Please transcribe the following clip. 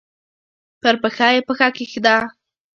پر پښه یې پښه کښېږده!